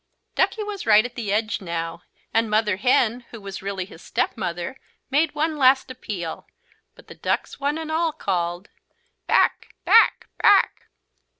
Duckie was right at the edge now and Mother Hen, who was really his step mother, made one last appeal, but the ducks one and all called: "Back, back, back!"